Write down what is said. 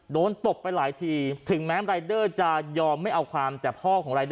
โดนตบไปหลายทีถึงแม้รายเดอร์จะยอมไม่เอาความจับห้อง